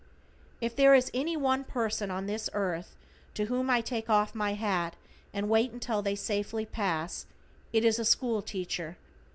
If there is any one person on this earth to whom I take off my hat and wait until they safely pass, it is a school teacher.